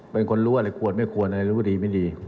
เป็นคนรู้อะไรควรไม่ควรอะไรรู้ดีไม่ดี